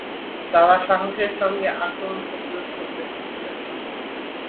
তারা সাহসের সঙ্গে আক্রমণ প্রতিরোধ করতে থাকলেন।